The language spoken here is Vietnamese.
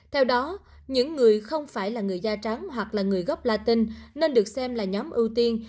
theo đó những người không phải là người da tráng hoặc là người gốc latin nên được xem là nhóm ưu tiên